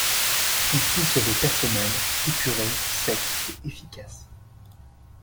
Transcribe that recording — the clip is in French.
Son style se veut personnel, épuré, sec et efficace.